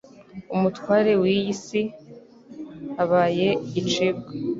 Umutware w'iyi si abaye igicibwa.